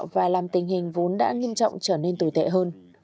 và làm tình hình vốn đã nghiêm trọng trở nên tồi tệ hơn